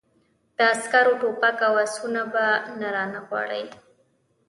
د عسکرو ټوپک او آسونه به نه رانه غواړې!